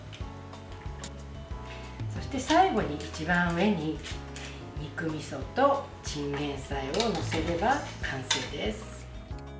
そして最後に一番上に肉みそとチンゲンサイを載せれば完成です。